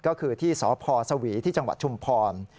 ก็คือที่สพสวีจชุมพร